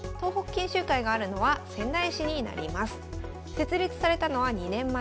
設立されたのは２年前。